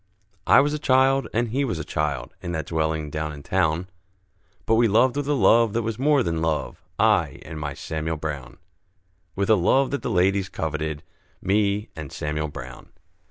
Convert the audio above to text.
I was a child, and he was a child, In that dwelling down in town, But we loved with a love that was more than love, I and my Samuel Brown, With a love that the ladies coveted, Me and Samuel Brown.